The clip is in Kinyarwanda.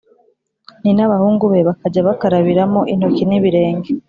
ni n abahungu be bakajya bakarabiramo intoki n ibirenge